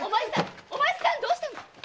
お前さんどうしたの？